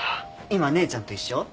今姉ちゃんと一緒？